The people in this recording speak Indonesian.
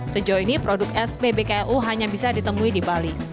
sejauh ini produk spbku hanya bisa ditemui di bali